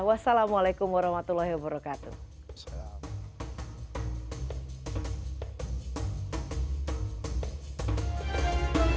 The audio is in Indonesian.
wassalamualaikum warahmatullahi wabarakatuh